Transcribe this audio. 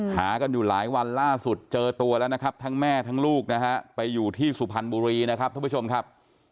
หากันอยู่หลายวันล่าสุดเจอตัวแล้วนะครับทั้งแม่ทั้งลูกนะฮะไปอยู่ที่สุพรรณบุรีนะครับท่านผู้ชมครับ